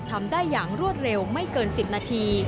ทำได้อย่างรวดเร็วไม่เกิน๑๐นาที